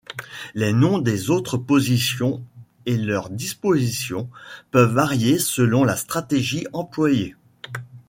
Les noms des autres positions et leur disposition peuvent varier selon la stratégie employée.